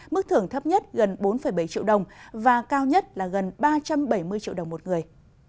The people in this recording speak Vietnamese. mức thưởng thấp nhất gần bốn bảy triệu đồng và cao nhất là gần ba trăm bảy mươi triệu đồng một người